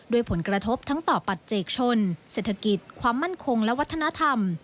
ผลกระทบทั้งต่อปัจเจกชนเศรษฐกิจความมั่นคงและวัฒนธรรม